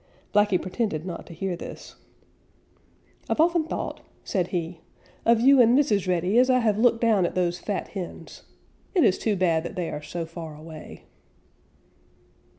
Blacky pretended not to hear this. "I've often thought," said he, "of you and Mrs. Reddy as I have looked down at those fat hens. It is too bad that they are so far away."